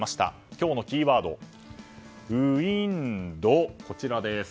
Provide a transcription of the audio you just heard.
今日のキーワード、ウインド。